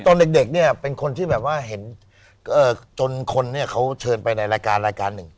ตอนเด็กเนี่ยเป็นคนที่แบบว่าเห็นจนคนเนี่ยเขาเชิญไปในรายการรายการหนึ่ง